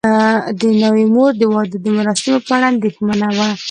د ناوې مور د واده د مراسمو په اړه اندېښمنه وه.